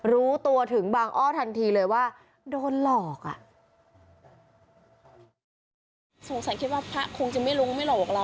รู้ตัวถึงบางอ้อทันทีเลยว่าโดนหลอก